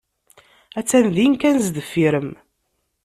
Attan din kan sdeffir-m.